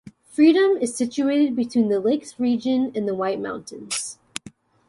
Freedom is situated between the Lakes Region and the White Mountains.